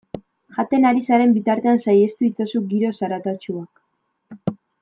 Jaten ari zaren bitartean saihestu itzazu giro zaratatsuak.